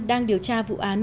đang điều tra vụ án